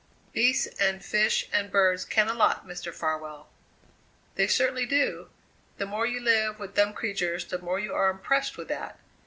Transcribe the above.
Beasts and fish and birds ken a lot, Mr. Farwell." "They certainly do. The more you live with dumb creatures, the more you are impressed with that.